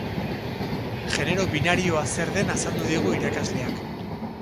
Genero binarioa zer den azaldu digu irakasleak.